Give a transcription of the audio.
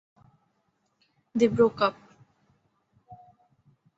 They broke up.